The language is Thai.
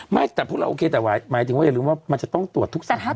ไม่แต่พวกเราโอเคแต่ไหวหมายจริงว่ามันจะต้องตรวจทุกสัปดาห์